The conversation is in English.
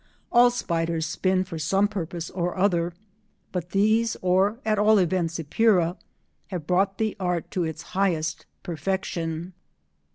All spiders spin for some purpose or other, but these—or at all events Epeira—have brought the art to its highest perfection.